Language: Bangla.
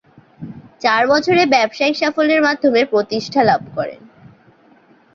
চার বছরে ব্যবসায়িক সাফল্যের মাধ্যমে প্রতিষ্ঠা লাভ করেন।